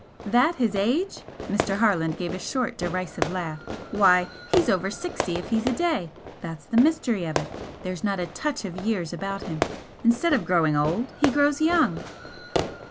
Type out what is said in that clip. "That his age!" Mr. Harland gave a short, derisive laugh "Why, he's over sixty if he's a day! That's the mystery of it. There is not a touch of 'years' about him. Instead of growing old, he grows young."